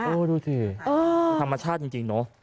ดูสิธรรมชาติจริงเนอะ